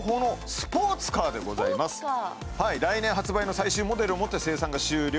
スポーツカーはい来年発売の最新モデルをもって生産が終了